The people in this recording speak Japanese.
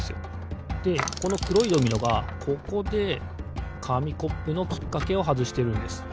でこのくろいドミノがここでかみコップのきっかけをはずしてるんです。